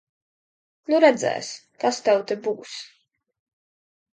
Nu redzēs, kas tev te būs.